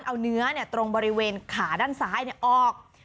เอาเนื้อตรงบริเวณขาด้านซ้ายออก